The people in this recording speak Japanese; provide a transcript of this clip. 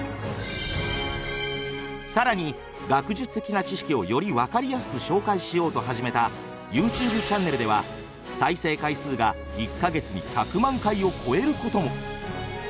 更に「学術的な知識をより分かりやすく紹介しよう」と始めたＹｏｕＴｕｂｅチャンネルでは再生回数が１か月に１００万回を超えることも。